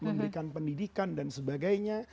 memberikan pendidikan dan sebagainya